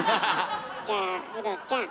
じゃあウドちゃん。